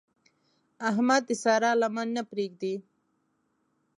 احمد د سارا لمن نه پرېږدي.